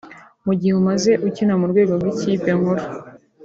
Mu gihe umaze ukina ku rwego rw’ikipe nkuru